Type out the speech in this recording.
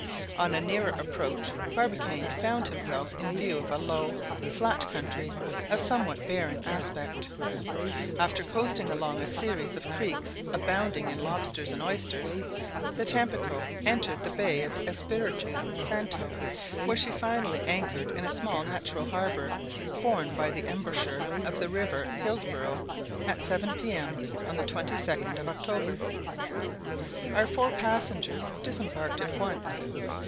On a nearer approach Barbicane found himself in view of a low, flat country of somewhat barren aspect. After coasting along a series of creeks abounding in lobsters and oysters, the Tampico entered the bay of Espiritu Santo, where she finally anchored in a small natural harbor, formed by the embouchure of the River Hillisborough, at seven P.M., on the 22d of October. Our four passengers disembarked at once.